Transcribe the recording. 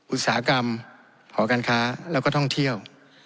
อุตสาหกรรมหอการค้าแล้วก็ท่องเที่ยว